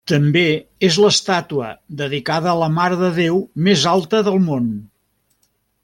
També és l'estàtua dedicada a la Mare de Déu més alta del món.